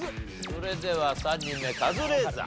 それでは３人目カズレーザー。